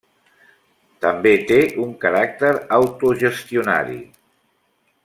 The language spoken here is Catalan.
També té un caràcter autogestionari.